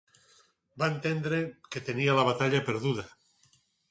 Va entendre que tenia la batalla perduda.